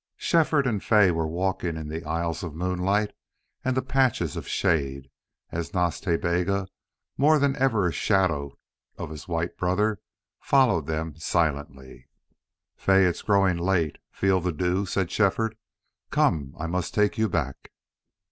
Shefford and Fay were walking in the aisles of moonlight and the patches of shade, and Nas Ta Bega, more than ever a shadow of his white brother, followed them silently. "Fay, it's growing late. Feel the dew?" said Shefford. "Come, I must take you back."